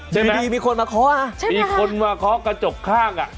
เดี๋ยวมีคนมาเคาะ